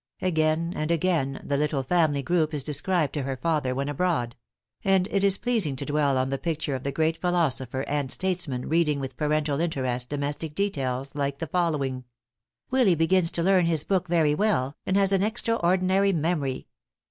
Again and again the little family group is described to her father when abroad; and it is pleasing to dwell on the picture of the great philosopher and statesman reading with parental interest domestic details like the following; "Willy begins to learn his book very well, and has an extraordinary memory.